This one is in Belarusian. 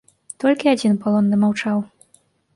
Толькі адзін палонны маўчаў.